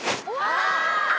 あ！